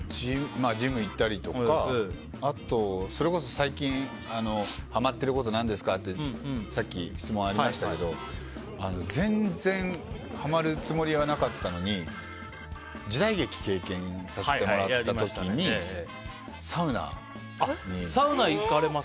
ジム行ったりとかあと、それこそ最近はまっていること何ですかってさっき、質問がありましたけど全然はまるつもりはなかったのに時代劇経験させてもらった時にサウナに。